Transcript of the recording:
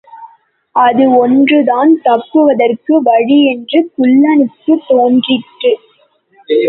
அது ஒன்றுதான் தப்புவதற்கு வழி என்று குள்ளனுக்குத் தோன்றிற்று.